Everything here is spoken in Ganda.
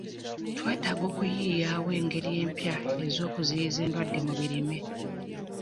Twetaaga okuyiiyiwo engeri empya ez'okuziyiza endwadde mu birime.